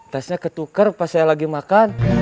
tasnya ketuker pas saya lagi makan